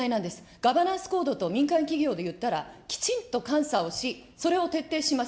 ガバナンス・コードと、民間企業でいったら、きちんと監査をし、それを徹底します。